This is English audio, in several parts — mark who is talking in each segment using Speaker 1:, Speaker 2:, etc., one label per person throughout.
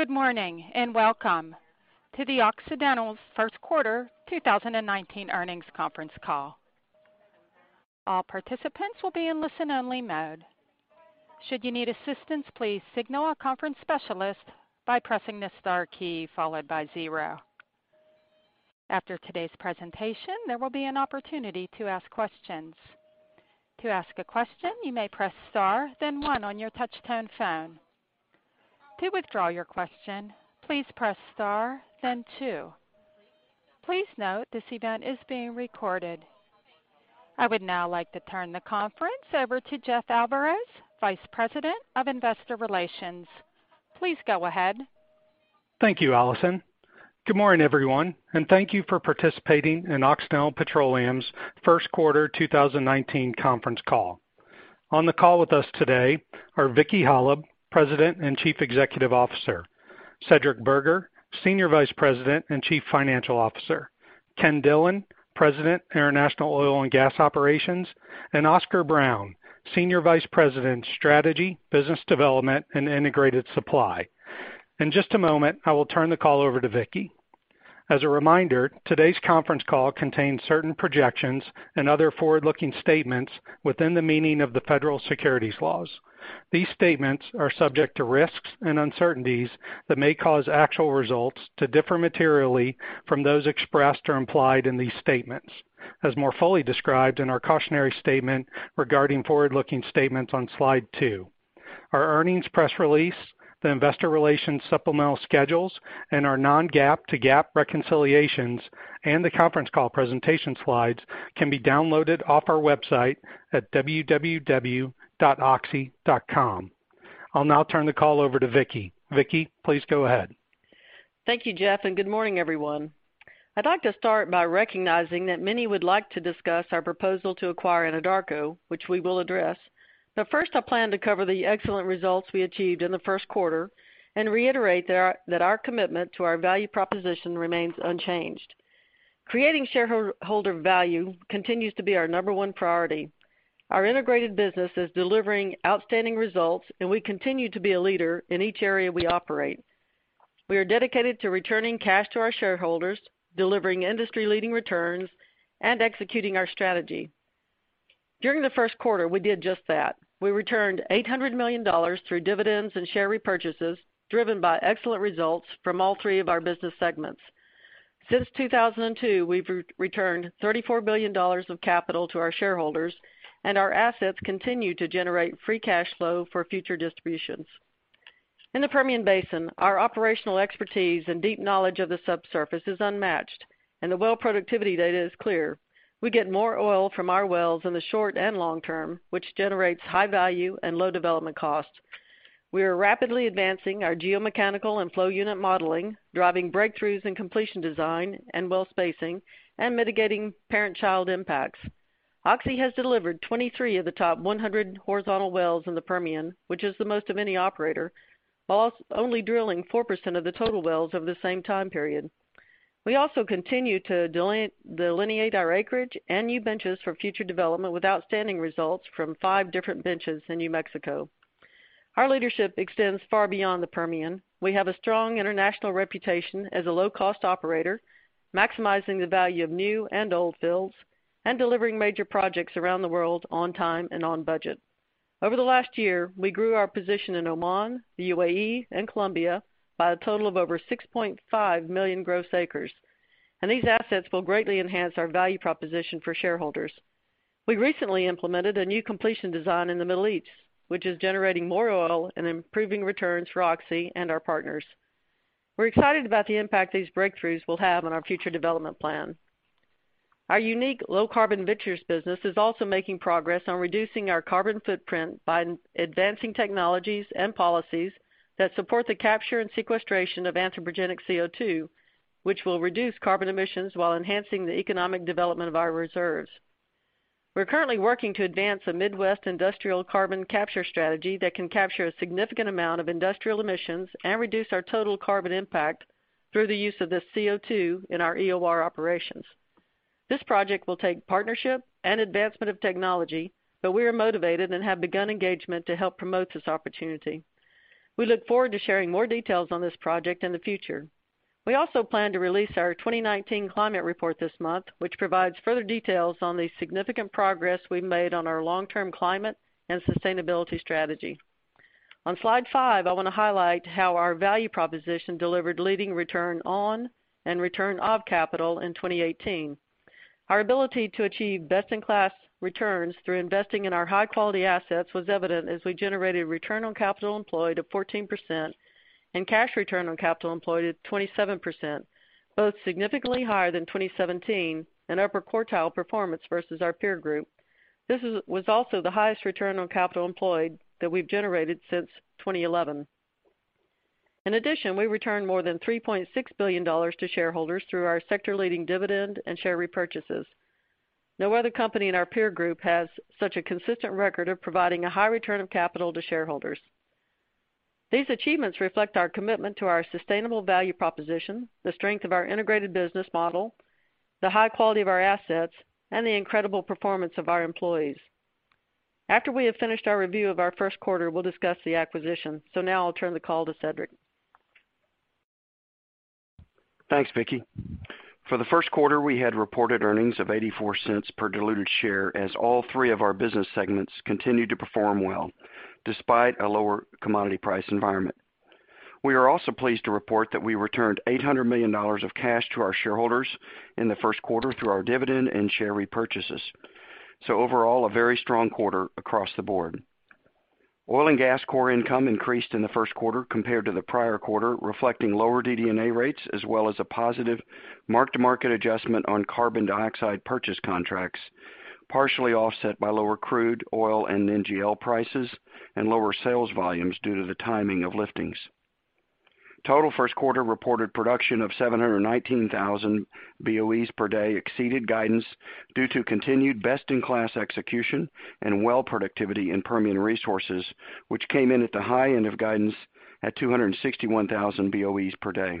Speaker 1: Good morning, welcome to Occidental's first quarter 2019 earnings conference call. All participants will be in listen-only mode. Should you need assistance, please signal our conference specialist by pressing the star key followed by zero. After today's presentation, there will be an opportunity to ask questions. To ask a question, you may press star, then one on your touch-tone phone. To withdraw your question, please press star then two. Please note this event is being recorded. I would now like to turn the conference over to Jeff Alvarez, Vice President of Investor Relations. Please go ahead.
Speaker 2: Thank you, Allison. Good morning, everyone, thank you for participating in Occidental Petroleum's first quarter 2019 conference call. On the call with us today are Vicki Hollub, President and Chief Executive Officer, Cedric Burgher, Senior Vice President and Chief Financial Officer, Kenneth Dillon, President, International Oil and Gas Operations, and Oscar Brown, Senior Vice President, Strategy, Business Development, and Integrated Supply. In just a moment, I will turn the call over to Vicki. As a reminder, today's conference call contains certain projections and other forward-looking statements within the meaning of the federal securities laws. These statements are subject to risks and uncertainties that may cause actual results to differ materially from those expressed or implied in these statements, as more fully described in our cautionary statement regarding forward-looking statements on slide two. Our earnings press release, the investor relations supplemental schedules, our non-GAAP to GAAP reconciliations, the conference call presentation slides can be downloaded off our website at www.oxy.com. I'll now turn the call over to Vicki. Vicki, please go ahead.
Speaker 3: Thank you, Jeff. Good morning, everyone. I'd like to start by recognizing that many would like to discuss our proposal to acquire Anadarko, which we will address. First, I plan to cover the excellent results we achieved in the first quarter and reiterate that our commitment to our value proposition remains unchanged. Creating shareholder value continues to be our number 1 priority. Our integrated business is delivering outstanding results, we continue to be a leader in each area we operate. We are dedicated to returning cash to our shareholders, delivering industry-leading returns, and executing our strategy. During the first quarter, we did just that. We returned $800 million through dividends and share repurchases, driven by excellent results from all three of our business segments. Since 2002, we've returned $34 billion of capital to our shareholders, our assets continue to generate free cash flow for future distributions. In the Permian Basin, our operational expertise and deep knowledge of the subsurface is unmatched, and the well productivity data is clear. We get more oil from our wells in the short and long term, which generates high value and low development costs. We are rapidly advancing our geomechanical and flow unit modeling, driving breakthroughs in completion design and well spacing, and mitigating parent-child impacts. Oxy has delivered 23 of the top 100 horizontal wells in the Permian, which is the most of any operator, while only drilling 4% of the total wells over the same time period. We also continue to delineate our acreage and new benches for future development with outstanding results from 5 different benches in New Mexico. Our leadership extends far beyond the Permian. We have a strong international reputation as a low-cost operator, maximizing the value of new and old fields and delivering major projects around the world on time and on budget. Over the last year, we grew our position in Oman, the U.A.E., and Colombia by a total of over 6.5 million gross acres. These assets will greatly enhance our value proposition for shareholders. We recently implemented a new completion design in the Middle East, which is generating more oil and improving returns for Oxy and our partners. We're excited about the impact these breakthroughs will have on our future development plan. Our unique low carbon ventures business is also making progress on reducing our carbon footprint by advancing technologies and policies that support the capture and sequestration of anthropogenic CO2, which will reduce carbon emissions while enhancing the economic development of our reserves. We're currently working to advance a Midwest industrial carbon capture strategy that can capture a significant amount of industrial emissions and reduce our total carbon impact through the use of this CO2 in our EOR operations. This project will take partnership and advancement of technology, but we are motivated and have begun engagement to help promote this opportunity. We look forward to sharing more details on this project in the future. We also plan to release our 2019 climate report this month, which provides further details on the significant progress we've made on our long-term climate and sustainability strategy. On slide five, I want to highlight how our value proposition delivered leading return on and return of capital in 2018. Our ability to achieve best-in-class returns through investing in our high-quality assets was evident as we generated return on capital employed of 14% and cash return on capital employed at 27%, both significantly higher than 2017 and upper quartile performance versus our peer group. This was also the highest return on capital employed that we've generated since 2011. In addition, we returned more than $3.6 billion to shareholders through our sector-leading dividend and share repurchases. No other company in our peer group has such a consistent record of providing a high return of capital to shareholders. These achievements reflect our commitment to our sustainable value proposition, the strength of our integrated business model, the high quality of our assets, and the incredible performance of our employees. After we have finished our review of our first quarter, we'll discuss the acquisition. Now I'll turn the call to Cedric.
Speaker 4: Thanks, Vicki. For the first quarter, we had reported earnings of $0.84 per diluted share as all three of our business segments continued to perform well despite a lower commodity price environment. We are also pleased to report that we returned $800 million of cash to our shareholders in the first quarter through our dividend and share repurchases. Overall, a very strong quarter across the board. Oil and gas core income increased in the first quarter compared to the prior quarter, reflecting lower DD&A rates, as well as a positive mark-to-market adjustment on carbon dioxide purchase contracts, partially offset by lower crude oil and NGL prices and lower sales volumes due to the timing of liftings. Total first quarter reported production of 719,000 BOEs per day exceeded guidance due to continued best-in-class execution and well productivity in Permian Resources, which came in at the high end of guidance at 261,000 BOEs per day.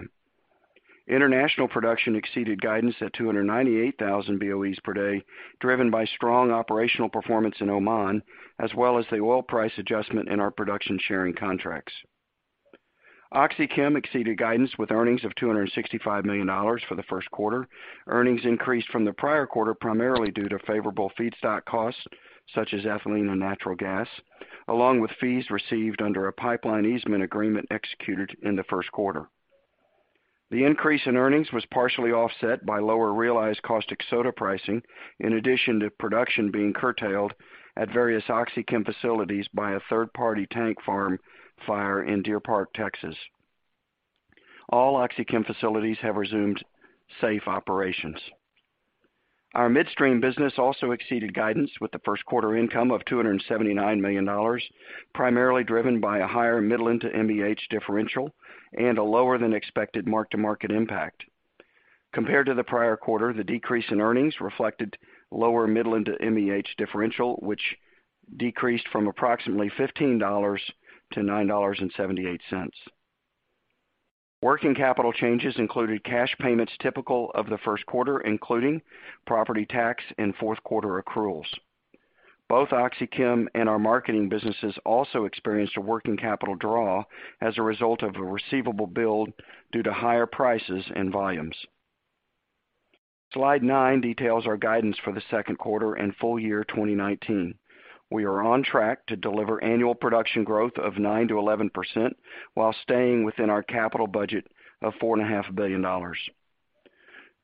Speaker 4: International production exceeded guidance at 298,000 BOEs per day, driven by strong operational performance in Oman, as well as the oil price adjustment in our production-sharing contracts. OxyChem exceeded guidance with earnings of $265 million for the first quarter. Earnings increased from the prior quarter, primarily due to favorable feedstock costs such as ethylene and natural gas, along with fees received under a pipeline easement agreement executed in the first quarter. The increase in earnings was partially offset by lower realized caustic soda pricing, in addition to production being curtailed at various OxyChem facilities by a third-party tank farm fire in Deer Park, Texas. All OxyChem facilities have resumed safe operations. Our midstream business also exceeded guidance with the first quarter income of $279 million, primarily driven by a higher Midland to MEH differential and a lower-than-expected mark-to-market impact. Compared to the prior quarter, the decrease in earnings reflected lower Midland to MEH differential, which decreased from approximately $15 to $9.78. Working capital changes included cash payments typical of the first quarter, including property tax and fourth-quarter accruals. Both OxyChem and our marketing businesses also experienced a working capital draw as a result of a receivable build due to higher prices and volumes. Slide nine details our guidance for the second quarter and full year 2019. We are on track to deliver annual production growth of 9%-11% while staying within our capital budget of $4.5 billion.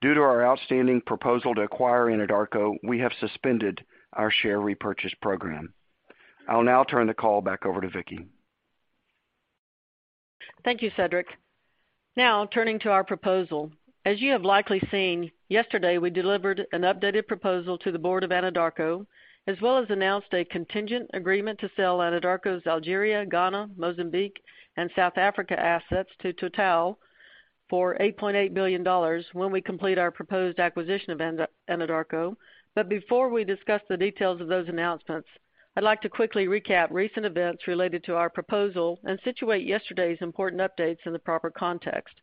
Speaker 4: Due to our outstanding proposal to acquire Anadarko, we have suspended our share repurchase program. I'll now turn the call back over to Vicki.
Speaker 3: Thank you, Cedric. Turning to our proposal. As you have likely seen, yesterday, we delivered an updated proposal to the board of Anadarko, as well as announced a contingent agreement to sell Anadarko's Algeria, Ghana, Mozambique, and South Africa assets to Total for $8.8 billion when we complete our proposed acquisition of Anadarko. Before we discuss the details of those announcements, I'd like to quickly recap recent events related to our proposal and situate yesterday's important updates in the proper context.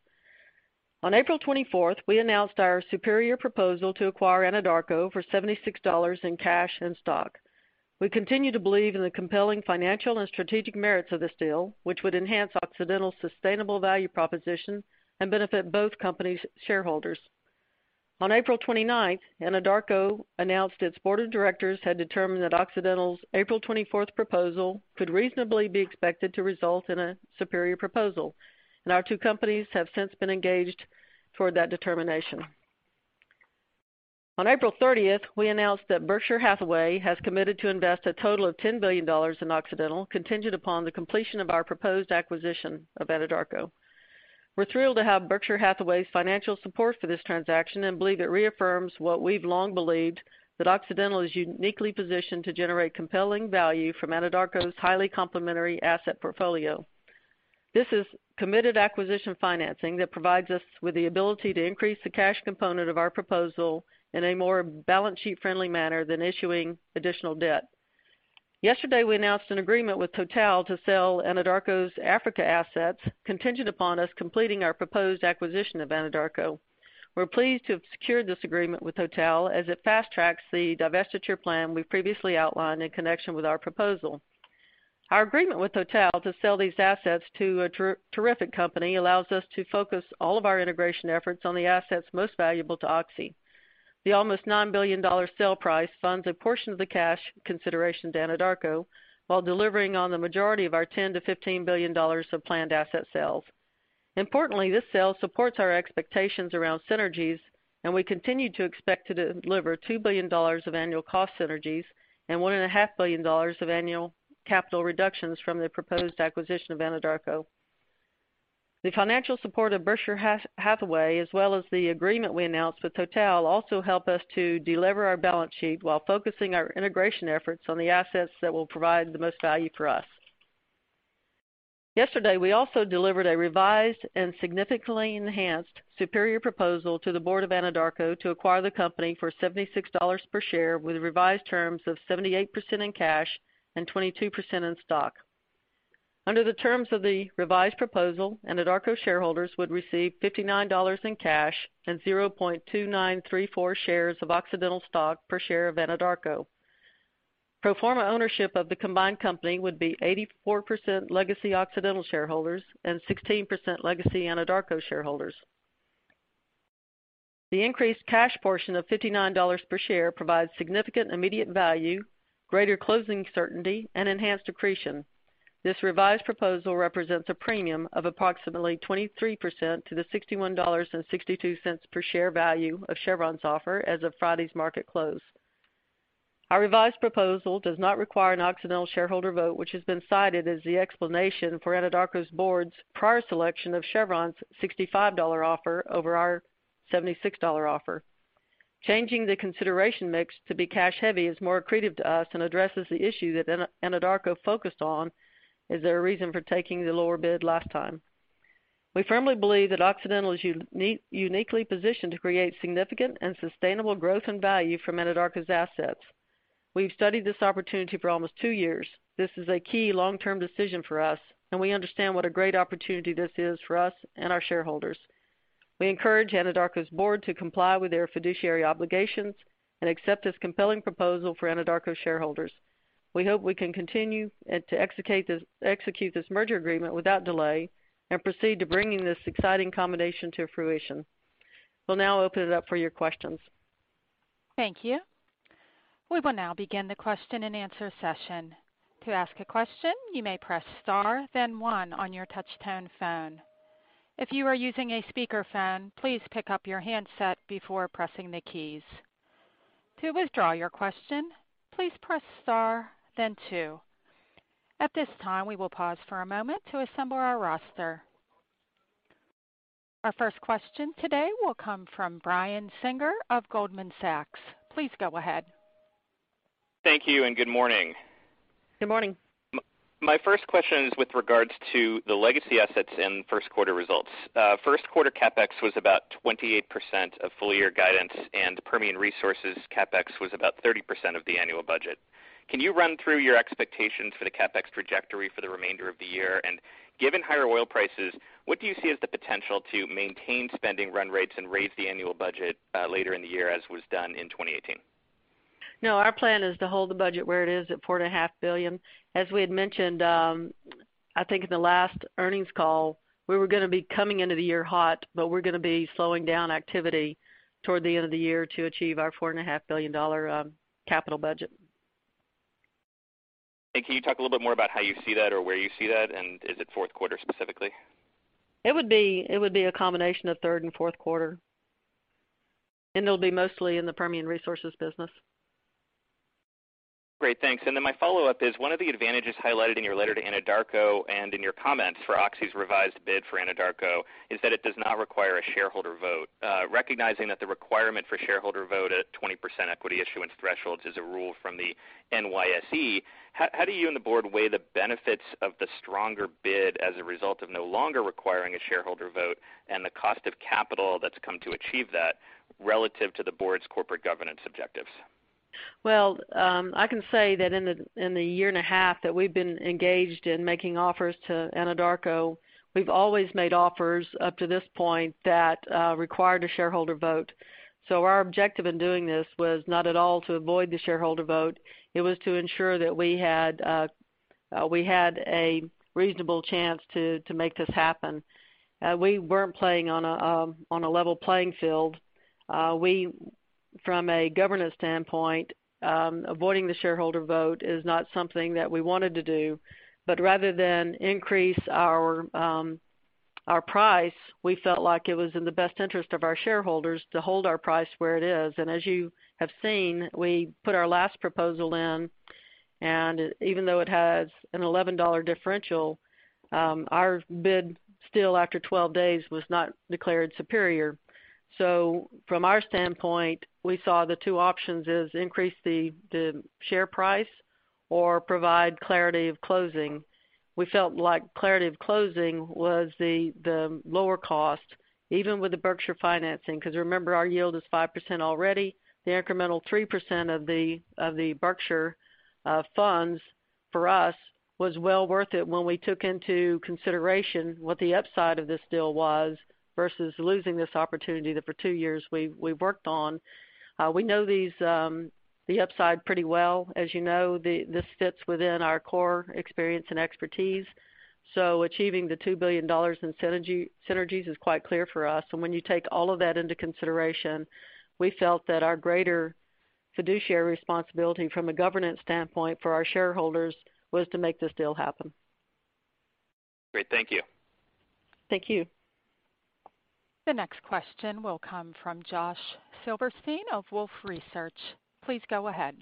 Speaker 3: On April 24th, we announced our superior proposal to acquire Anadarko for $76 in cash and stock. We continue to believe in the compelling financial and strategic merits of this deal, which would enhance Occidental's sustainable value proposition and benefit both companies' shareholders. On April 29th, Anadarko announced its board of directors had determined that Occidental's April 24th proposal could reasonably be expected to result in a superior proposal, our two companies have since been engaged toward that determination. On April 30th, we announced that Berkshire Hathaway has committed to invest a total of $10 billion in Occidental, contingent upon the completion of our proposed acquisition of Anadarko. We're thrilled to have Berkshire Hathaway's financial support for this transaction and believe it reaffirms what we've long believed, that Occidental is uniquely positioned to generate compelling value from Anadarko's highly complementary asset portfolio. This is committed acquisition financing that provides us with the ability to increase the cash component of our proposal in a more balance sheet-friendly manner than issuing additional debt. Yesterday, we announced an agreement with Total to sell Anadarko's Africa assets contingent upon us completing our proposed acquisition of Anadarko. We're pleased to have secured this agreement with Total as it fast-tracks the divestiture plan we previously outlined in connection with our proposal. Our agreement with Total to sell these assets to a terrific company allows us to focus all of our integration efforts on the assets most valuable to Oxy. The almost $9 billion sale price funds a portion of the cash consideration to Anadarko while delivering on the majority of our $10 billion-$15 billion of planned asset sales. Importantly, this sale supports our expectations around synergies, we continue to expect to deliver $2 billion of annual cost synergies and $1.5 billion of annual capital reductions from the proposed acquisition of Anadarko. The financial support of Berkshire Hathaway, as well as the agreement we announced with Total, also help us to delever our balance sheet while focusing our integration efforts on the assets that will provide the most value for us. Yesterday, we also delivered a revised and significantly enhanced superior proposal to the board of Anadarko to acquire the company for $76 per share with revised terms of 78% in cash and 22% in stock. Under the terms of the revised proposal, Anadarko shareholders would receive $59 in cash and 0.2934 shares of Occidental stock per share of Anadarko. Pro forma ownership of the combined company would be 84% legacy Occidental shareholders and 16% legacy Anadarko shareholders. The increased cash portion of $59 per share provides significant immediate value, greater closing certainty, and enhanced accretion. This revised proposal represents a premium of approximately 23% to the $61.62 per share value of Chevron's offer as of Friday's market close. Our revised proposal does not require an Occidental shareholder vote, which has been cited as the explanation for Anadarko's board's prior selection of Chevron's $65 offer over our $76 offer. Changing the consideration mix to be cash-heavy is more accretive to us and addresses the issue that Anadarko focused on as their reason for taking the lower bid last time. We firmly believe that Occidental is uniquely positioned to create significant and sustainable growth and value from Anadarko's assets. We've studied this opportunity for almost two years. This is a key long-term decision for us, and we understand what a great opportunity this is for us and our shareholders. We encourage Anadarko's board to comply with their fiduciary obligations and accept this compelling proposal for Anadarko shareholders. We hope we can continue to execute this merger agreement without delay and proceed to bringing this exciting combination to fruition. We'll now open it up for your questions.
Speaker 1: Thank you. We will now begin the question and answer session. To ask a question, you may press star then one on your touch tone phone. If you are using a speakerphone, please pick up your handset before pressing the keys. To withdraw your question, please press star then two. At this time, we will pause for a moment to assemble our roster. Our first question today will come from Brian Singer of Goldman Sachs. Please go ahead.
Speaker 5: Thank you and good morning.
Speaker 3: Good morning.
Speaker 5: My first question is with regards to the legacy assets in first quarter results. First quarter CapEx was about 28% of full-year guidance, and the Permian Resources CapEx was about 30% of the annual budget. Can you run through your expectations for the CapEx trajectory for the remainder of the year? Given higher oil prices, what do you see as the potential to maintain spending run rates and raise the annual budget later in the year, as was done in 2018?
Speaker 3: Our plan is to hold the budget where it is at $4.5 billion. As we had mentioned, I think in the last earnings call, we were going to be coming into the year hot. We're going to be slowing down activity toward the end of the year to achieve our $4.5 billion capital budget.
Speaker 5: Can you talk a little bit more about how you see that or where you see that? Is it fourth quarter specifically?
Speaker 3: It would be a combination of third and fourth quarter. It'll be mostly in the Permian Resources business.
Speaker 5: Great. Thanks. My follow-up is, one of the advantages highlighted in your letter to Anadarko and in your comments for Oxy's revised bid for Anadarko is that it does not require a shareholder vote. Recognizing that the requirement for shareholder vote at 20% equity issuance thresholds is a rule from the NYSE, how do you and the board weigh the benefits of the stronger bid as a result of no longer requiring a shareholder vote and the cost of capital that's come to achieve that relative to the board's corporate governance objectives?
Speaker 3: Well, I can say that in the year and a half that we've been engaged in making offers to Anadarko, we've always made offers up to this point that required a shareholder vote. Our objective in doing this was not at all to avoid the shareholder vote. It was to ensure that we had a reasonable chance to make this happen. We weren't playing on a level playing field. From a governance standpoint, avoiding the shareholder vote is not something that we wanted to do, rather than increase our price, we felt like it was in the best interest of our shareholders to hold our price where it is. As you have seen, we put our last proposal in, even though it has an $11 differential, our bid still after 12 days was not declared superior. From our standpoint, we saw the two options is increase the share price or provide clarity of closing. We felt like clarity of closing was the lower cost, even with the Berkshire financing, because remember, our yield is 5% already. The incremental 3% of the Berkshire funds for us was well worth it when we took into consideration what the upside of this deal was versus losing this opportunity that for two years we've worked on. We know the upside pretty well. As you know, this fits within our core experience and expertise. Achieving the $2 billion in synergies is quite clear for us. When you take all of that into consideration, we felt that our greater fiduciary responsibility from a governance standpoint for our shareholders was to make this deal happen.
Speaker 5: Great. Thank you.
Speaker 3: Thank you.
Speaker 1: The next question will come from Josh Silverstein of Wolfe Research. Please go ahead.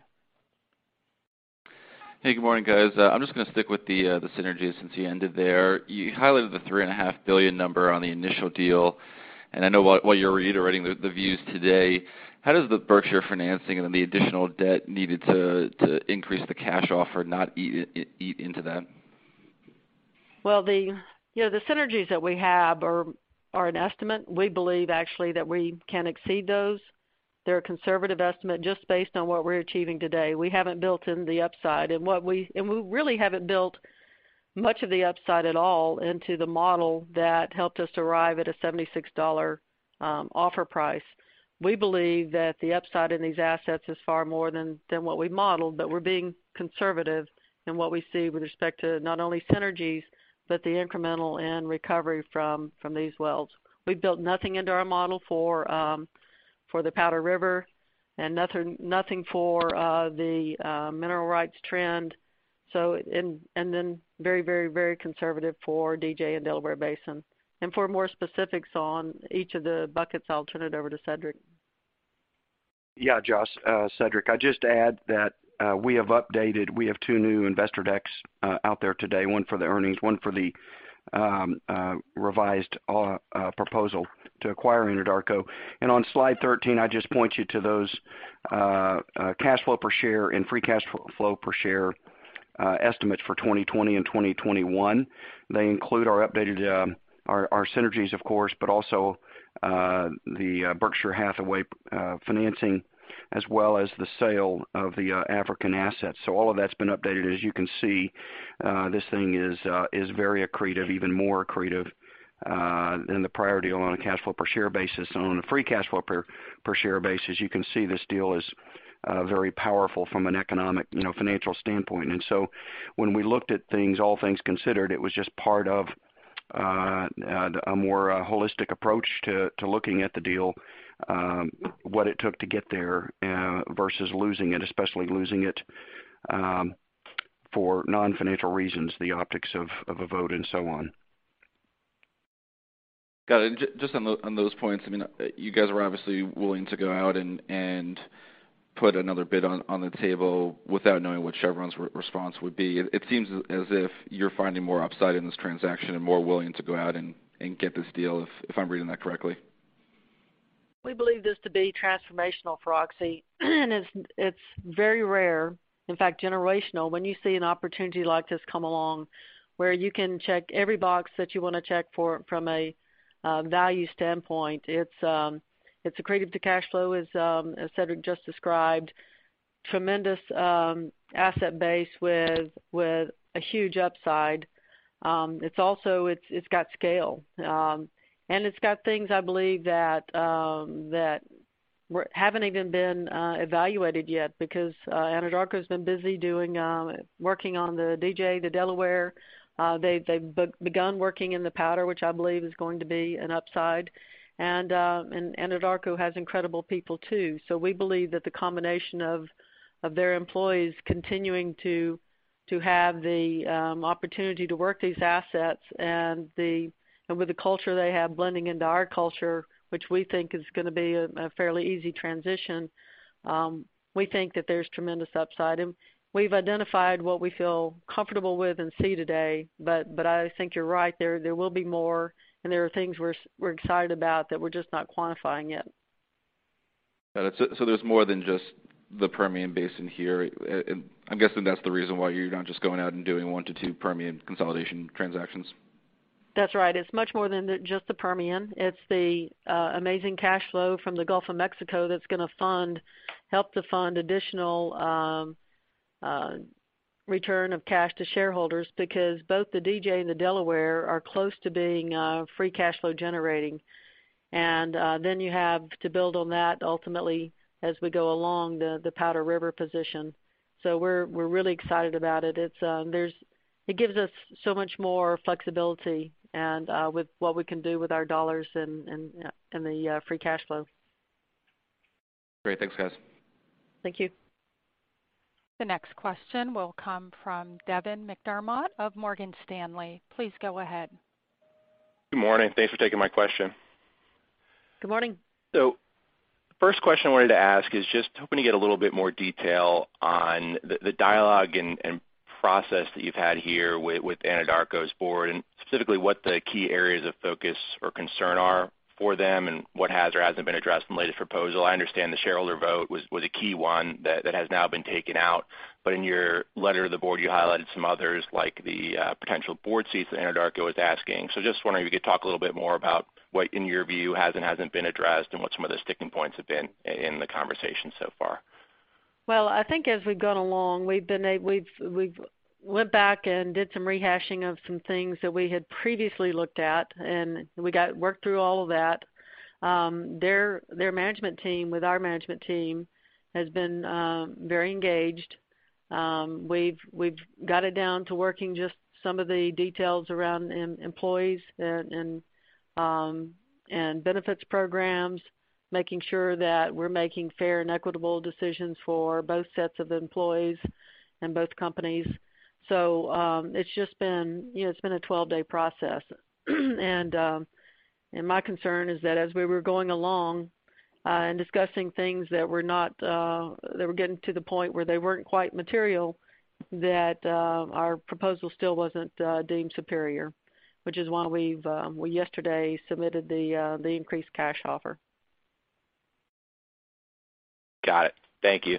Speaker 6: Hey, good morning, guys. I'm just going to stick with the synergies since you ended there. You highlighted the $3.5 billion number on the initial deal, and I know while you're reiterating the views today, how does the Berkshire financing and the additional debt needed to increase the cash offer not eat into that?
Speaker 3: Well, the synergies that we have are an estimate. We believe actually that we can exceed those. They're a conservative estimate just based on what we're achieving today. We haven't built in the upside, and we really haven't built much of the upside at all into the model that helped us arrive at a $76 offer price. We believe that the upside in these assets is far more than what we've modeled, but we're being conservative in what we see with respect to not only synergies, but the incremental and recovery from these wells. We've built nothing into our model for the Powder River and nothing for the mineral rights trend. For DJ and Delaware Basin, very conservative. For more specifics on each of the buckets, I'll turn it over to Cedric.
Speaker 4: Yeah, Josh, Cedric. I'd just add that we have updated, we have two new investor decks out there today, one for the earnings, one for the revised proposal to acquire Anadarko. On slide 13, I'd just point you to those cash flow per share and free cash flow per share estimates for 2020 and 2021. They include our synergies, of course, but also the Berkshire Hathaway financing, as well as the sale of the African assets. All of that's been updated. As you can see, this thing is very accretive, even more accretive than the prior deal on a cash flow per share basis. On a free cash flow per share basis, you can see this deal is very powerful from an economic, financial standpoint. When we looked at things, all things considered, it was just part of a more holistic approach to looking at the deal, what it took to get there, versus losing it, especially losing it for non-financial reasons, the optics of a vote and so on.
Speaker 6: Got it. Just on those points, you guys were obviously willing to go out and put another bid on the table without knowing what Chevron's response would be. It seems as if you're finding more upside in this transaction and more willing to go out and get this deal, if I'm reading that correctly.
Speaker 3: We believe this to be transformational for Oxy. It's very rare, in fact, generational, when you see an opportunity like this come along where you can check every box that you want to check for from a value standpoint. It's accretive to cash flow, as Cedric just described. Tremendous asset base with a huge upside. It's also got scale. It's got things I believe that haven't even been evaluated yet because Anadarko's been busy working on the DJ, the Delaware. They've begun working in the Powder, which I believe is going to be an upside. Anadarko has incredible people too. We believe that the combination of their employees continuing to have the opportunity to work these assets, and with the culture they have blending into our culture, which we think is going to be a fairly easy transition, we think that there's tremendous upside. We've identified what we feel comfortable with and see today. I think you're right, there will be more, and there are things we're excited about that we're just not quantifying yet.
Speaker 6: Got it. There's more than just the Permian Basin here. I'm guessing that's the reason why you're not just going out and doing one to two Permian consolidation transactions.
Speaker 3: That's right. It's much more than just the Permian. It's the amazing cash flow from the Gulf of Mexico that's going to help to fund additional return of cash to shareholders, because both the DJ and the Delaware are close to being free cash flow generating. Then you have to build on that ultimately as we go along the Powder River position. We're really excited about it. It gives us so much more flexibility with what we can do with our dollars and the free cash flow.
Speaker 6: Great. Thanks, guys.
Speaker 3: Thank you.
Speaker 1: The next question will come from Devin McDermott of Morgan Stanley. Please go ahead.
Speaker 7: Good morning. Thanks for taking my question.
Speaker 3: Good morning.
Speaker 7: The first question I wanted to ask is just hoping to get a little bit more detail on the dialogue and process that you've had here with Anadarko's board, and specifically what the key areas of focus or concern are for them and what has or hasn't been addressed in the latest proposal. I understand the shareholder vote was a key one that has now been taken out. In your letter to the board, you highlighted some others, like the potential board seats that Anadarko was asking. Just wondering if you could talk a little bit more about what, in your view, has and hasn't been addressed and what some of the sticking points have been in the conversation so far?
Speaker 3: Well, I think as we've gone along, we've went back and did some rehashing of some things that we had previously looked at, and we got work through all of that. Their management team with our management team has been very engaged. We've got it down to working just some of the details around employees and benefits programs, making sure that we're making fair and equitable decisions for both sets of employees and both companies. It's just been a 12-day process. My concern is that as we were going along and discussing things that were getting to the point where they weren't quite material, that our proposal still wasn't deemed superior, which is why we yesterday submitted the increased cash offer.
Speaker 7: Got it. Thank you.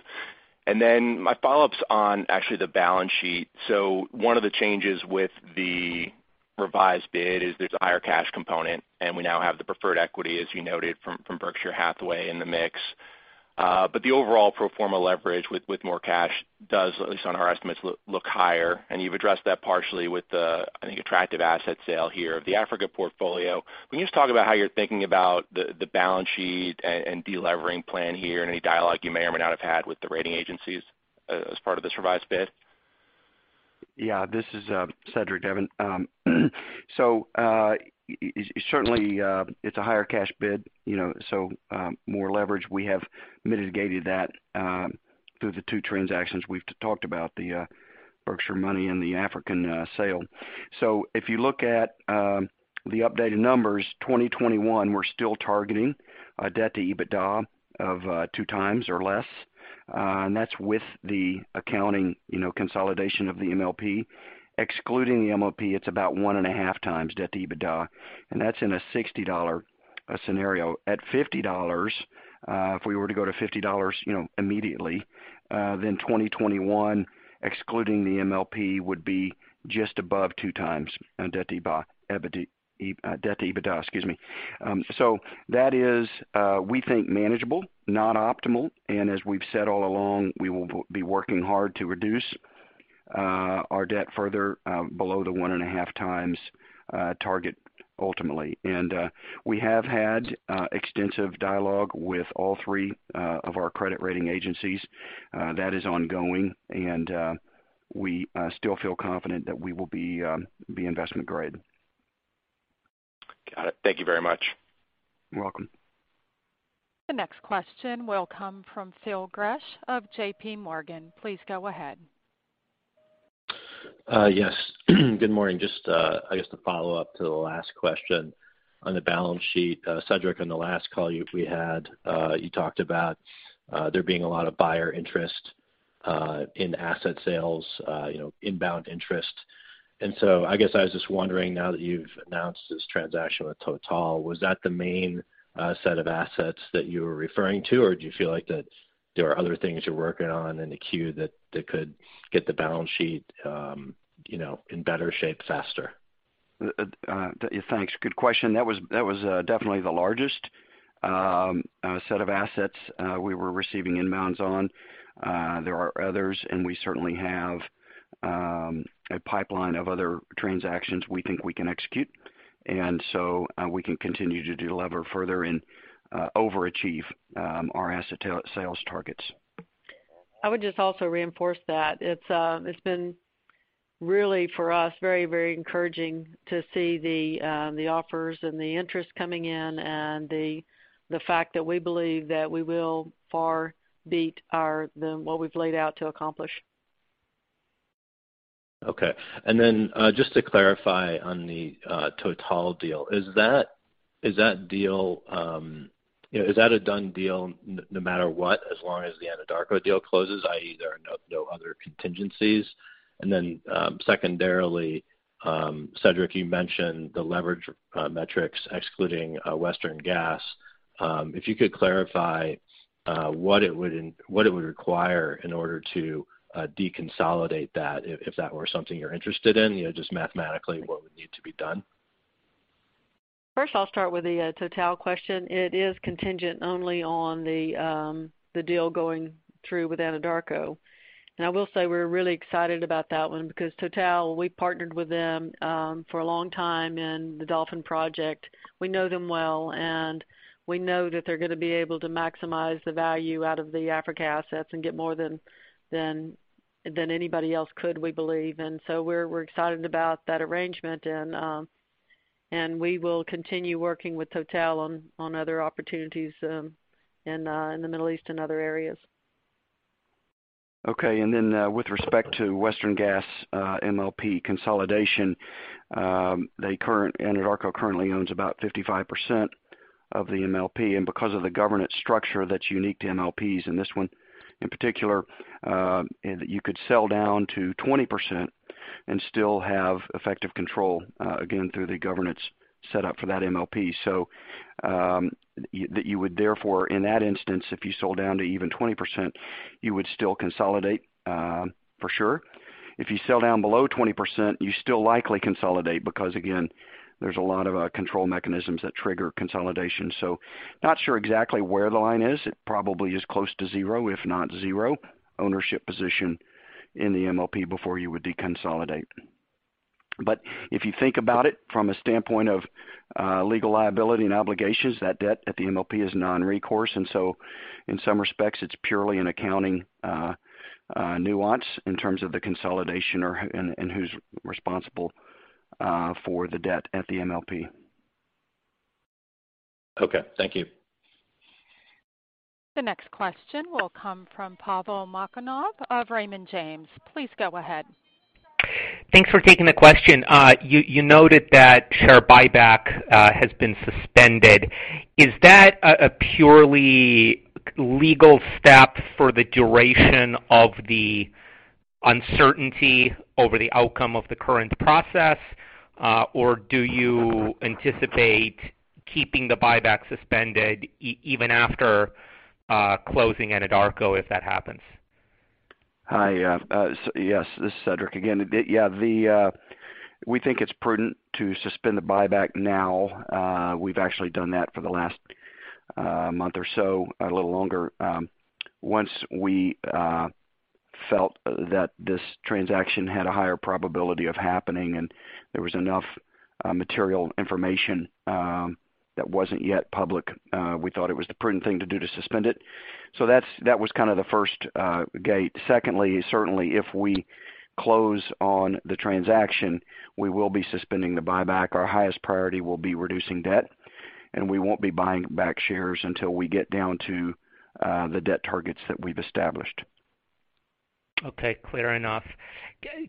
Speaker 7: My follow-up's on actually the balance sheet. One of the changes with the revised bid is there's a higher cash component, and we now have the preferred equity, as you noted, from Berkshire Hathaway in the mix. The overall pro forma leverage with more cash does, at least on our estimates, look higher. You've addressed that partially with the, I think, attractive asset sale here of the Africa portfolio. Can you just talk about how you're thinking about the balance sheet and de-levering plan here, and any dialogue you may or may not have had with the rating agencies as part of this revised bid?
Speaker 4: Yeah. This is, Cedric, Devin. Certainly, it's a higher cash bid, so more leverage. We have mitigated that through the two transactions we've talked about, the Berkshire money and the African sale. If you look at the updated numbers, 2021, we're still targeting a debt to EBITDA of two times or less. That's with the accounting consolidation of the MLP. Excluding the MLP, it's about one and a half times debt to EBITDA, and that's in a $60 scenario. At $50, if we were to go to $50 immediately, 2021, excluding the MLP, would be just above two times net debt to EBITDA. Excuse me. That is, we think, manageable, not optimal, and as we've said all along, we will be working hard to reduce our debt further below the one and a half times target ultimately. We have had extensive dialogue with all three of our credit rating agencies. That is ongoing, and we still feel confident that we will be investment grade.
Speaker 7: Got it. Thank you very much.
Speaker 4: You're welcome.
Speaker 1: The next question will come from Phil Gresh of JPMorgan. Please go ahead.
Speaker 8: Yes. Good morning. Just, I guess to follow up to the last question on the balance sheet. Cedric, on the last call we had, you talked about there being a lot of buyer interest, in asset sales, inbound interest. I guess I was just wondering, now that you've announced this transaction with Total, was that the main set of assets that you were referring to, or do you feel like that there are other things you're working on in the queue that could get the balance sheet in better shape faster?
Speaker 4: Thanks. Good question. That was definitely the largest set of assets we were receiving inbounds on. There are others, and we certainly have a pipeline of other transactions we think we can execute. So we can continue to delever further and overachieve our asset sales targets.
Speaker 3: I would just also reinforce that. It's been really, for us, very encouraging to see the offers and the interest coming in, and the fact that we believe that we will far beat what we've laid out to accomplish.
Speaker 8: Okay. Just to clarify on the Total deal, is that a done deal no matter what, as long as the Anadarko deal closes, i.e., there are no other contingencies? Secondarily, Cedric, you mentioned the leverage metrics excluding Western Gas. If you could clarify what it would require in order to deconsolidate that, if that were something you're interested in, just mathematically what would need to be done?
Speaker 3: First, I'll start with the Total question. It is contingent only on the deal going through with Anadarko. I will say we're really excited about that one because Total, we partnered with them for a long time in the Dolphin project. We know them well, and we know that they're going to be able to maximize the value out of the Africa assets and get more than anybody else could, we believe. We're excited about that arrangement, and we will continue working with Total on other opportunities in the Middle East and other areas.
Speaker 4: Okay, with respect to Western Gas MLP consolidation, Anadarko currently owns about 55% of the MLP, and because of the governance structure that's unique to MLPs, and this one in particular, you could sell down to 20% and still have effective control, again, through the governance set up for that MLP. You would therefore, in that instance, if you sold down to even 20%, you would still consolidate for sure. If you sell down below 20%, you still likely consolidate because, again, there's a lot of control mechanisms that trigger consolidation. Not sure exactly where the line is. It probably is close to zero, if not zero ownership position in the MLP before you would deconsolidate. If you think about it from a standpoint of legal liability and obligations, that debt at the MLP is non-recourse, in some respects it's purely an accounting nuance in terms of the consolidation and who's responsible for the debt at the MLP.
Speaker 8: Okay. Thank you.
Speaker 1: The next question will come from Pavel Molchanov of Raymond James. Please go ahead.
Speaker 9: Thanks for taking the question. You noted that share buyback has been suspended. Is that a purely legal step for the duration of the uncertainty over the outcome of the current process? Do you anticipate keeping the buyback suspended even after closing Anadarko, if that happens?
Speaker 4: Hi, yes. This is Cedric again. We think it's prudent to suspend the buyback now. We've actually done that for the last month or so, a little longer. Once we felt that this transaction had a higher probability of happening, and there was enough material information that wasn't yet public, we thought it was the prudent thing to do to suspend it. That was the first gate. Secondly, certainly, if we close on the transaction, we will be suspending the buyback. Our highest priority will be reducing debt, and we won't be buying back shares until we get down to the debt targets that we've established.
Speaker 9: Okay, clear enough.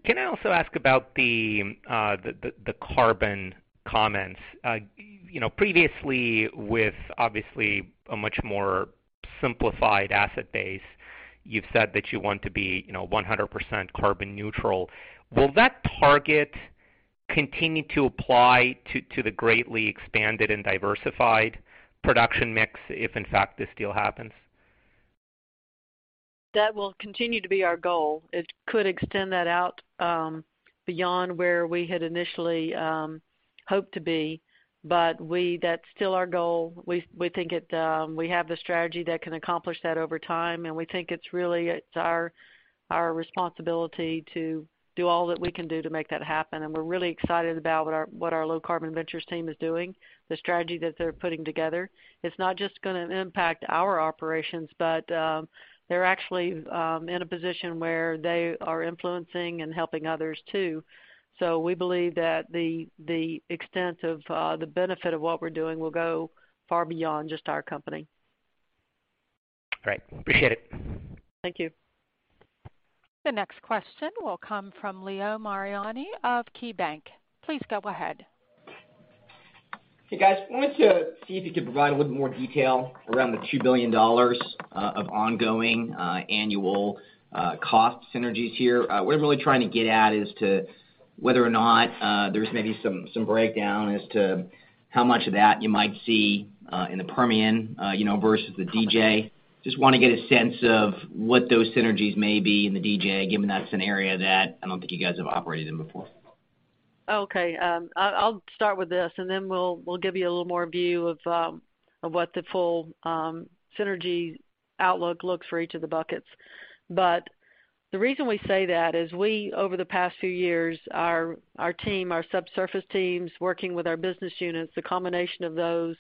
Speaker 9: Can I also ask about the carbon comments? Previously, with obviously a much more simplified asset base, you've said that you want to be 100% carbon neutral. Will that target continue to apply to the greatly expanded and diversified production mix, if in fact, this deal happens?
Speaker 3: That will continue to be our goal. It could extend that out beyond where we had initially hoped to be, That's still our goal. We think we have the strategy that can accomplish that over time. We think it's really our responsibility to do all that we can do to make that happen. We're really excited about what our low carbon ventures team is doing, the strategy that they're putting together. It's not just going to impact our operations, but they're actually in a position where they are influencing and helping others too. We believe that the extent of the benefit of what we're doing will go far beyond just our company.
Speaker 9: Great. Appreciate it.
Speaker 3: Thank you.
Speaker 1: The next question will come from Leo Mariani of KeyBanc. Please go ahead.
Speaker 10: Hey, guys. I wanted to see if you could provide a little bit more detail around the $2 billion of ongoing annual cost synergies here. What we're really trying to get at is to whether or not there's maybe some breakdown as to how much of that you might see in the Permian versus the DJ. Just want to get a sense of what those synergies may be in the DJ, given that's an area that I don't think you guys have operated in before.
Speaker 3: Okay. I'll start with this, then we'll give you a little more view of what the full synergy outlook looks for each of the buckets. The reason we say that is we, over the past few years, our team, our subsurface teams working with our business units, the combination of those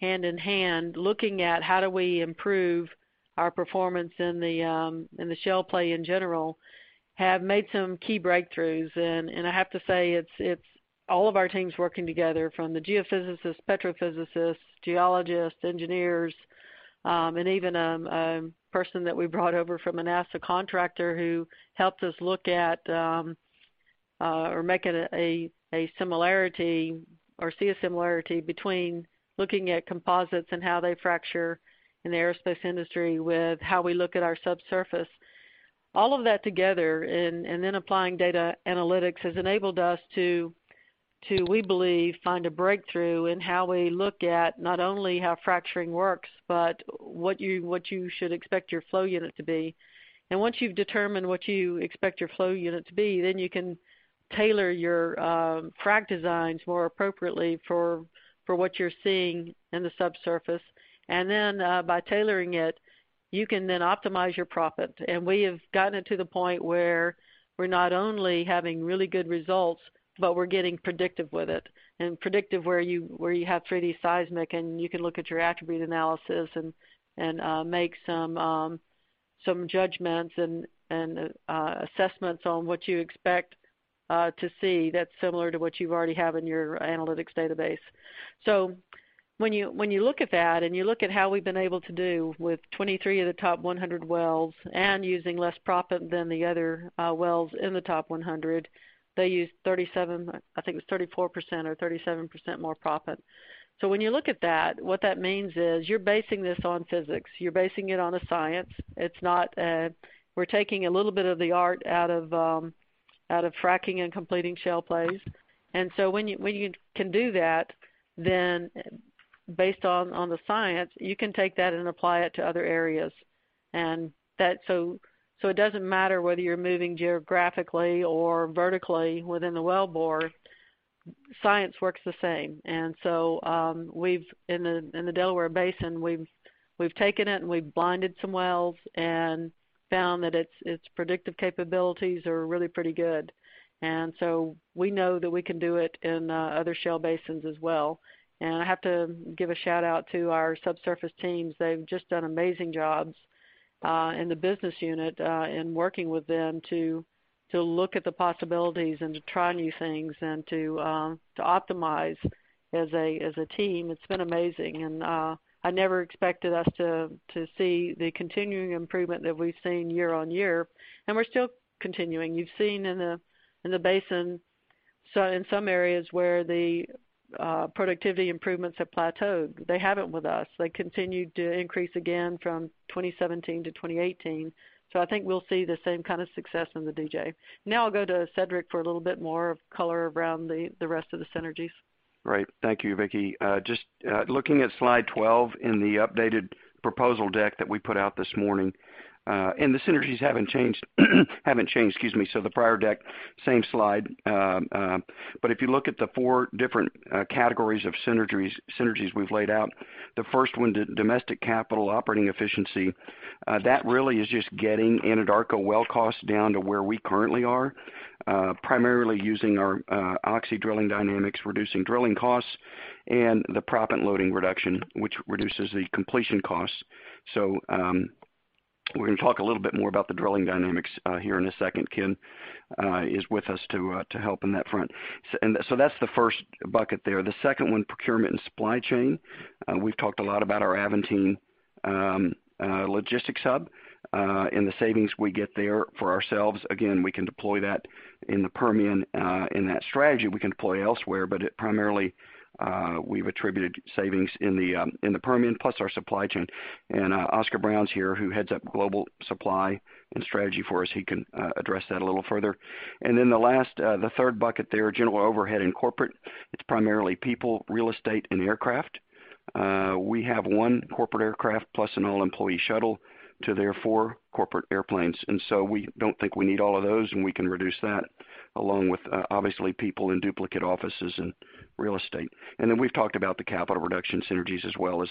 Speaker 3: hand in hand, looking at how do we improve our performance in the shale play in general, have made some key breakthroughs. I have to say it's all of our teams working together from the geophysicists, petrophysicists, geologists, engineers, and even a person that we brought over from a NASA contractor who helped us look at, or make a similarity or see a similarity between looking at composites and how they fracture in the aerospace industry with how we look at our subsurface. All of that together, then applying data analytics has enabled us to, we believe, find a breakthrough in how we look at not only how fracturing works, but what you should expect your flow unit to be. Once you've determined what you expect your flow unit to be, then you can tailor your frack designs more appropriately for what you're seeing in the subsurface. Then by tailoring it, you can then optimize your proppant. We have gotten it to the point where we're not only having really good results, but we're getting predictive with it, and predictive where you have 3D seismic, and you can look at your attribute analysis and make some judgments and assessments on what you expect to see that's similar to what you already have in your analytics database. When you look at that, and you look at how we've been able to do with 23 of the top 100 wells and using less proppant than the other wells in the top 100, they used 37, I think it was 34% or 37% more proppant. When you look at that, what that means is you're basing this on physics. You're basing it on a science. We're taking a little bit of the art out of fracking and completing shale plays. When you can do that, then based on the science, you can take that and apply it to other areas. It doesn't matter whether you're moving geographically or vertically within the wellbore, science works the same. In the Delaware Basin, we've taken it, and we've blinded some wells and found that its predictive capabilities are really pretty good. We know that we can do it in other shale basins as well. I have to give a shout-out to our subsurface teams. They've just done amazing jobs in the business unit, in working with them to look at the possibilities and to try new things and to optimize as a team. It's been amazing, and I never expected us to see the continuing improvement that we've seen year-on-year, and we're still continuing. You've seen in the basin, in some areas where the productivity improvements have plateaued. They haven't with us. They continued to increase again from 2017 to 2018. I think we'll see the same kind of success in the DJ. I'll go to Cedric for a little bit more color around the rest of the synergies.
Speaker 4: Right. Thank you, Vicki. Just looking at slide 12 in the updated proposal deck that we put out this morning. The synergies haven't changed. The prior deck, same slide. If you look at the four different categories of synergies we've laid out, the first one, domestic capital operating efficiency, that really is just getting Anadarko well costs down to where we currently are. Primarily using our Oxy Drilling Dynamics, reducing drilling costs, and the proppant loading reduction, which reduces the completion costs. We're going to talk a little bit more about the drilling dynamics here in a second. Ken is with us to help on that front. That's the first bucket there. The second one, procurement and supply chain. We've talked a lot about our Aventine logistics hub, and the savings we get there for ourselves. Again, we can deploy that in the Permian, in that strategy, we can deploy elsewhere, but primarily, we've attributed savings in the Permian plus our supply chain. Oscar Brown's here, who heads up global supply and strategy for us. He can address that a little further. The last, the third bucket there, general overhead and corporate. It's primarily people, real estate, and aircraft. We have one corporate aircraft plus an all-employee shuttle to their four corporate airplanes. We don't think we need all of those, and we can reduce that along with, obviously, people in duplicate offices and real estate. We've talked about the capital reduction synergies as well as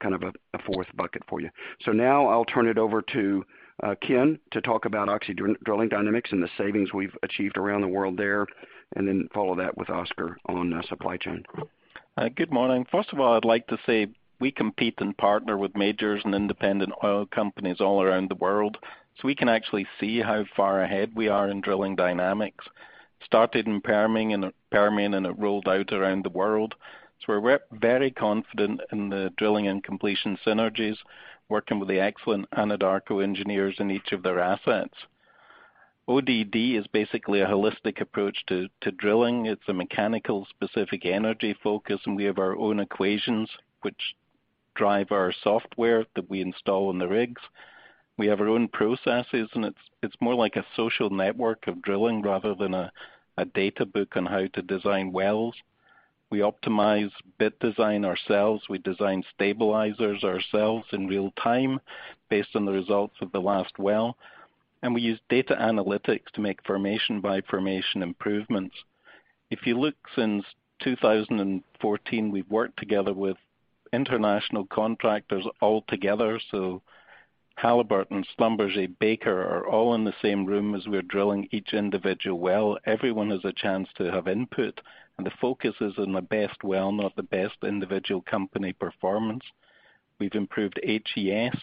Speaker 4: kind of a fourth bucket for you. I'll turn it over to Ken to talk about Oxy Drilling Dynamics and the savings we've achieved around the world there, and then follow that with Oscar on supply chain.
Speaker 11: Good morning. First of all, I'd like to say we compete and partner with majors and independent oil companies all around the world. We can actually see how far ahead we are in drilling dynamics. Started in Permian, it rolled out around the world. We're very confident in the drilling and completion synergies, working with the excellent Anadarko engineers in each of their assets. ODD is basically a holistic approach to drilling. It's a mechanical specific energy focus, we have our own equations which drive our software that we install on the rigs. We have our own processes, it's more like a social network of drilling rather than a data book on how to design wells. We optimize bit design ourselves. We design stabilizers ourselves in real time based on the results of the last well. We use data analytics to make formation-by-formation improvements. If you look since 2014, we've worked together with international contractors all together. Halliburton, Schlumberger, Baker are all in the same room as we're drilling each individual well. Everyone has a chance to have input, the focus is on the best well, not the best individual company performance. We've improved HSE,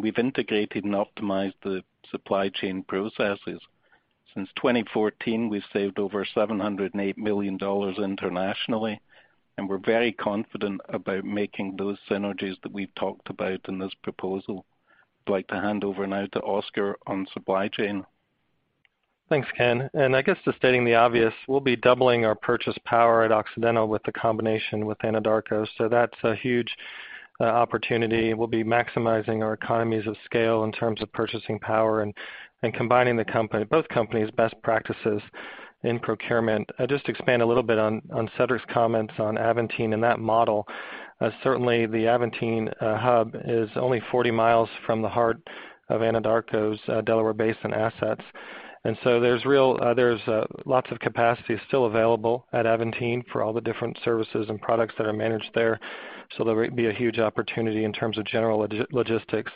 Speaker 11: we've integrated and optimized the supply chain processes. Since 2014, we've saved over $708 million internationally, we're very confident about making those synergies that we've talked about in this proposal. I'd like to hand over now to Oscar on supply chain.
Speaker 12: Thanks, Ken. I guess just stating the obvious, we'll be doubling our purchase power at Occidental with the combination with Anadarko, that's a huge opportunity. We'll be maximizing our economies of scale in terms of purchasing power and combining both companies' best practices in procurement. I'll just expand a little bit on Cedric's comments on Aventine and that model. Certainly, the Aventine hub is only 40 miles from the heart of Anadarko's Delaware Basin assets. There's lots of capacity still available at Aventine for all the different services and products that are managed there. There will be a huge opportunity in terms of general logistics.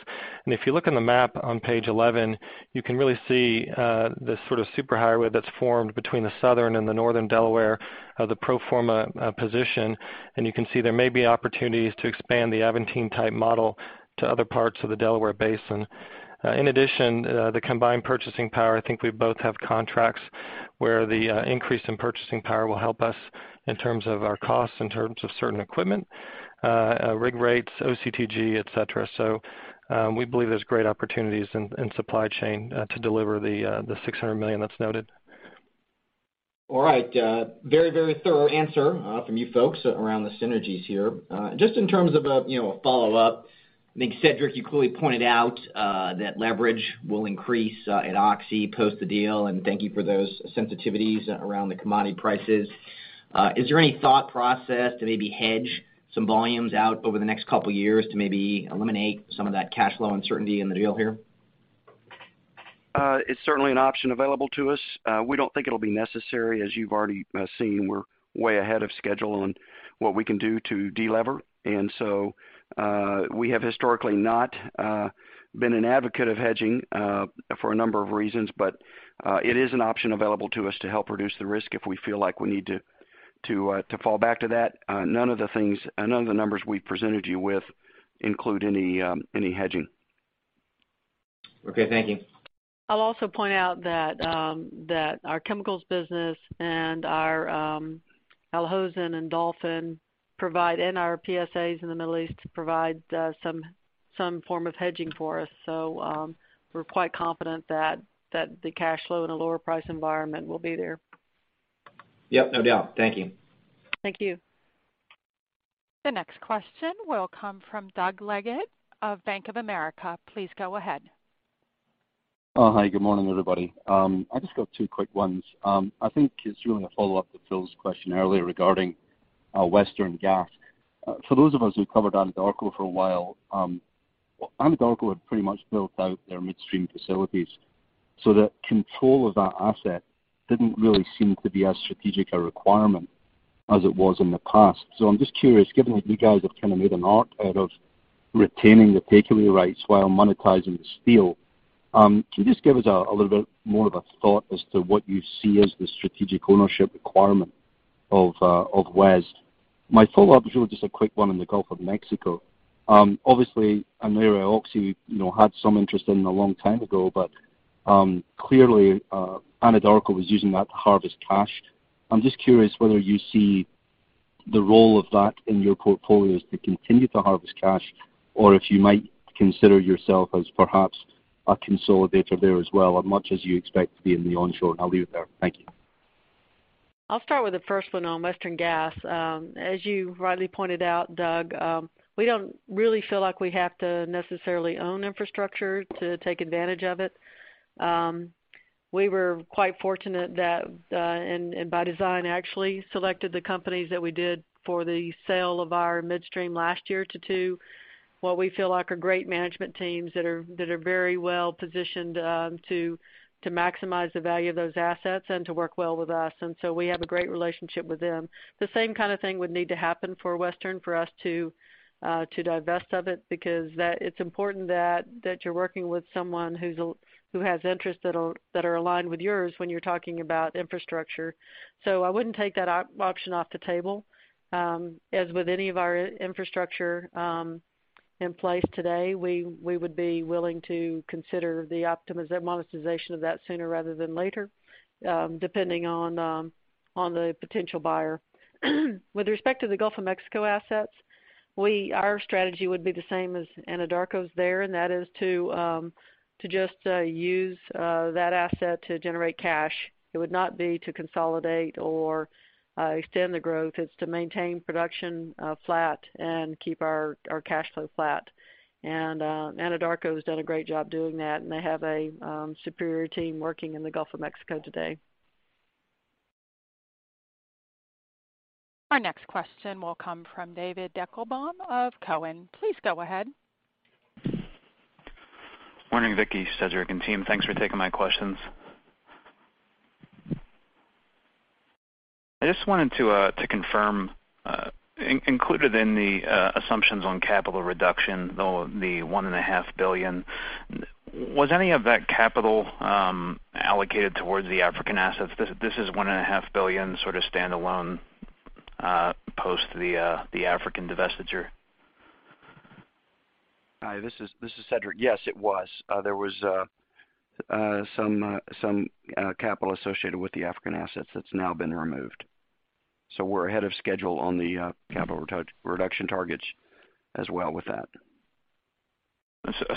Speaker 12: If you look on the map on page 11, you can really see this sort of super highway that's formed between the Southern and the Northern Delaware of the pro forma position. You can see there may be opportunities to expand the Aventine-type model to other parts of the Delaware Basin. In addition, the combined purchasing power, I think we both have contracts where the increase in purchasing power will help us in terms of our costs, in terms of certain equipment, rig rates, OCTG, et cetera. We believe there's great opportunities in supply chain to deliver the $600 million that's noted.
Speaker 10: All right. Very thorough answer from you folks around the synergies here. Just in terms of a follow-up, I think Cedric, you clearly pointed out that leverage will increase at Oxy post the deal, and thank you for those sensitivities around the commodity prices. Is there any thought process to maybe hedge some volumes out over the next couple of years to maybe eliminate some of that cash flow uncertainty in the deal here?
Speaker 4: It's certainly an option available to us. We don't think it'll be necessary. As you've already seen, we're way ahead of schedule on what we can do to de-lever. We have historically not been an advocate of hedging for a number of reasons, but it is an option available to us to help reduce the risk if we feel like we need to fall back to that. None of the numbers we presented you with include any hedging.
Speaker 3: Okay. Thank you. I'll also point out that our chemicals business and our Al Hosn and Dolphin, and our PSAs in the Middle East provide some form of hedging for us. We're quite confident that the cash flow in a lower price environment will be there.
Speaker 10: Yep, no doubt. Thank you.
Speaker 3: Thank you.
Speaker 1: The next question will come from Douglas Leggate of Bank of America. Please go ahead.
Speaker 13: Hi. Good morning, everybody. I just got two quick ones. I think it's really a follow-up to Phil's question earlier regarding Western Gas. For those of us who covered Anadarko for a while, Anadarko had pretty much built out their midstream facilities so that control of that asset didn't really seem to be as strategic a requirement as it was in the past. I'm just curious, given that you guys have kind of made an art out of retaining the take-away rights while monetizing the steel, can you just give us a little bit more of a thought as to what you see as the strategic ownership requirement of West? My follow-up is really just a quick one in the Gulf of Mexico. Obviously, I know Oxy had some interest in a long time ago, but clearly, Anadarko was using that to harvest cash. I'm just curious whether you see the role of that in your portfolio is to continue to harvest cash, or if you might consider yourself as perhaps a consolidator there as well, as much as you expect to be in the onshore. I'll leave it there. Thank you.
Speaker 3: I'll start with the first one on Western Gas. As you rightly pointed out, Doug, we don't really feel like we have to necessarily own infrastructure to take advantage of it. We were quite fortunate that, and by design, actually selected the companies that we did for the sale of our midstream last year to two, what we feel like are great management teams that are very well positioned to maximize the value of those assets and to work well with us. We have a great relationship with them. The same kind of thing would need to happen for Western for us to divest of it, because it's important that you're working with someone who has interests that are aligned with yours when you're talking about infrastructure. I wouldn't take that option off the table. As with any of our infrastructure in place today, we would be willing to consider the monetization of that sooner rather than later, depending on the potential buyer. With respect to the Gulf of Mexico assets, our strategy would be the same as Anadarko's there, and that is to just use that asset to generate cash. It would not be to consolidate or extend the growth. It's to maintain production flat and keep our cash flow flat. Anadarko has done a great job doing that, and they have a superior team working in the Gulf of Mexico today.
Speaker 1: Our next question will come from David Deckelbaum of Cowen. Please go ahead.
Speaker 14: Morning, Vicki, Cedric, and team. Thanks for taking my questions. I just wanted to confirm, included in the assumptions on capital reduction, the one and a half billion, was any of that capital allocated towards the African assets? This is one and a half billion sort of standalone post the African divestiture.
Speaker 4: Hi, this is Cedric. Yes, it was. There was some capital associated with the African assets that's now been removed. We're ahead of schedule on the capital reduction targets as well with that.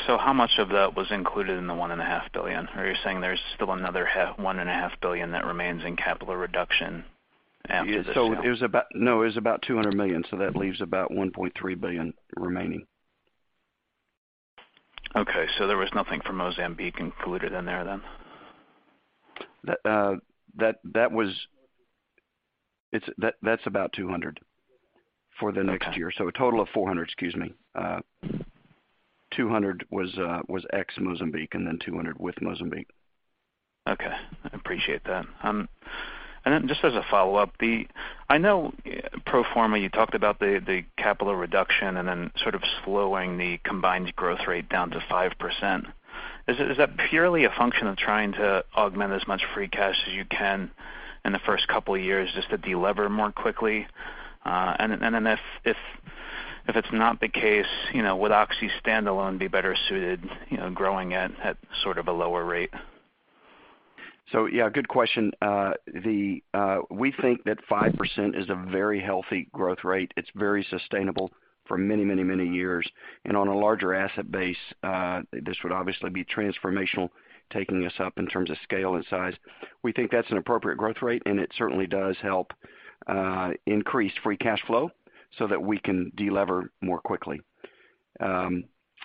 Speaker 14: How much of that was included in the one and a half billion? Are you saying there's still another one and a half billion that remains in capital reduction after this sale?
Speaker 4: No, it was about $200 million, so that leaves about $1.3 billion remaining.
Speaker 14: Okay, there was nothing for Mozambique included in there then?
Speaker 4: That's about $200 for the next year.
Speaker 14: Okay.
Speaker 4: A total of $400, excuse me. $200 was ex Mozambique and then $200 with Mozambique.
Speaker 14: Okay. I appreciate that. Just as a follow-up, I know pro forma, you talked about the capital reduction and then sort of slowing the combined growth rate down to 5%. Is that purely a function of trying to augment as much free cash as you can in the first couple of years just to de-lever more quickly? If it's not the case, would Oxy standalone be better suited growing at sort of a lower rate?
Speaker 4: Yeah, good question. We think that 5% is a very healthy growth rate. It's very sustainable for many years. On a larger asset base, this would obviously be transformational, taking us up in terms of scale and size. We think that's an appropriate growth rate, and it certainly does help increase free cash flow so that we can de-lever more quickly.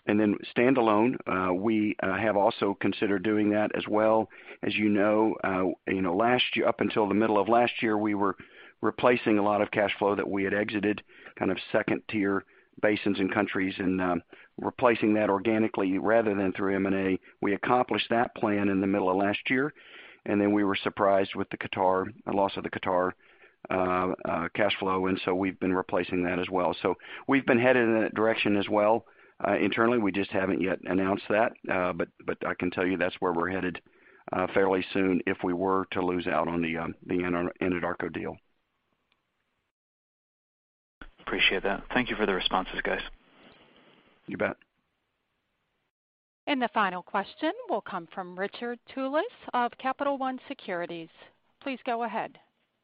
Speaker 4: Standalone, we have also considered doing that as well. As you know, up until the middle of last year, we were replacing a lot of cash flow that we had exited kind of second-tier basins and countries and replacing that organically rather than through M&A. We accomplished that plan in the middle of last year, we were surprised with the loss of the Qatar cash flow, we've been replacing that as well. We've been headed in that direction as well internally. We just haven't yet announced that. I can tell you that's where we're headed fairly soon if we were to lose out on the Anadarko deal.
Speaker 14: Appreciate that. Thank you for the responses, guys.
Speaker 4: You bet.
Speaker 1: The final question will come from Richard Tullis of Capital One Securities. Please go ahead.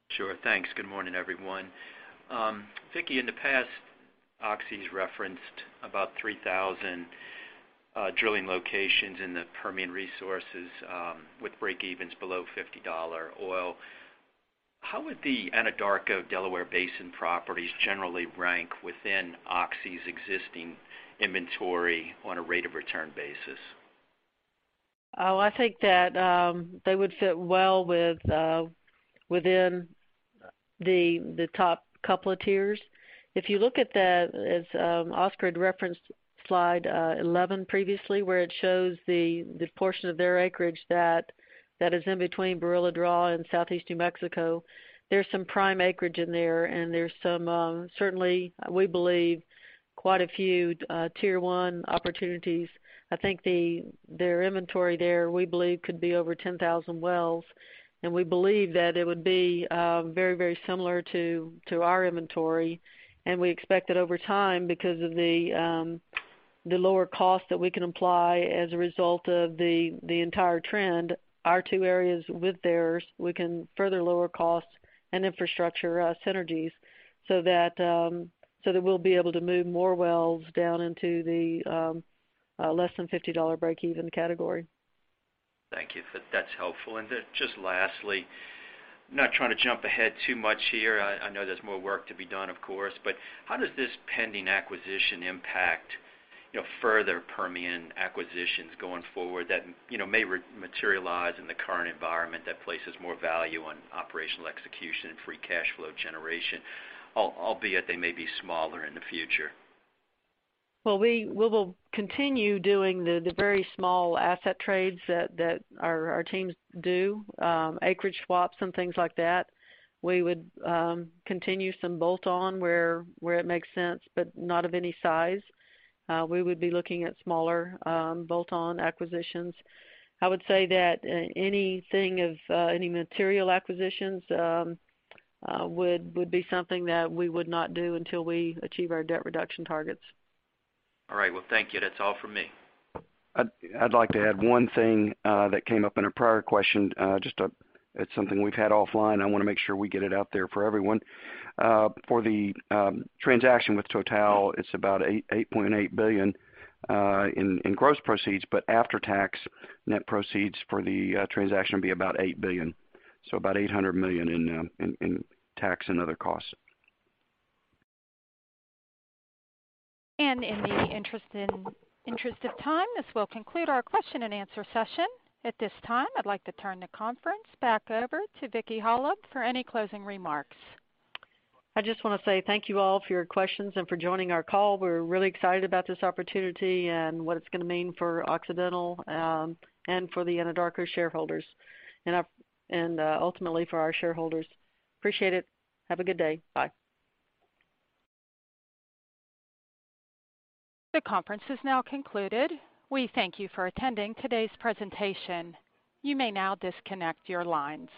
Speaker 15: Sure. Thanks. Good morning, everyone. Vicki, in the past, Oxy's referenced about 3,000 drilling locations in the Permian Resources with breakevens below $50 oil. How would the Anadarko Delaware Basin properties generally rank within Oxy's existing inventory on a rate of return basis?
Speaker 3: I think that they would fit well within the top couple of tiers. If you look at that, as Oscar referenced slide 11 previously, where it shows the portion of their acreage that is in between Barilla Draw and Southeast New Mexico, there's some prime acreage in there, and there's some, certainly we believe, quite a few tier 1 opportunities. I think their inventory there, we believe, could be over 10,000 wells, and we believe that it would be very similar to our inventory. We expect that over time, because of the lower cost that we can apply as a result of the entire trend, our two areas with theirs, we can further lower costs and infrastructure synergies so that we'll be able to move more wells down into the less than $50 breakeven category.
Speaker 15: Thank you for that. That's helpful. Just lastly, not trying to jump ahead too much here. I know there's more work to be done, of course, but how does this pending acquisition impact further Permian acquisitions going forward that may materialize in the current environment that places more value on operational execution and free cash flow generation, albeit they may be smaller in the future?
Speaker 3: Well, we will continue doing the very small asset trades that our teams do, acreage swaps and things like that. We would continue some bolt-on where it makes sense, but not of any size. We would be looking at smaller bolt-on acquisitions. I would say that anything of any material acquisitions would be something that we would not do until we achieve our debt reduction targets.
Speaker 15: All right. Well, thank you. That's all from me.
Speaker 4: I'd like to add one thing that came up in a prior question. It's something we've had offline. I want to make sure we get it out there for everyone. For the transaction with Total, it's about $8.8 billion in gross proceeds, but after-tax net proceeds for the transaction will be about $8 billion. About $800 million in tax and other costs.
Speaker 1: In the interest of time, this will conclude our question and answer session. At this time, I'd like to turn the conference back over to Vicki Hollub for any closing remarks.
Speaker 3: I just want to say thank you all for your questions and for joining our call. We're really excited about this opportunity and what it's going to mean for Occidental and for the Anadarko shareholders and ultimately for our shareholders. Appreciate it. Have a good day. Bye.
Speaker 1: The conference is now concluded. We thank you for attending today's presentation. You may now disconnect your lines.